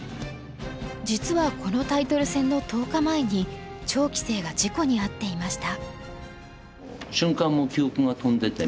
実はこのタイトル戦の１０日前に趙棋聖が事故に遭っていました。